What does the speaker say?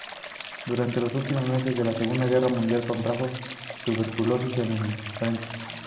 Durante los últimos meses de la Segunda Guerra Mundial contrajo tuberculosis en el frente.